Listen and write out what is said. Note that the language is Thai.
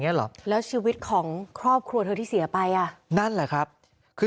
เหรอแล้วชีวิตของครอบครัวเธอที่เสียไปอ่ะนั่นแหละครับคือ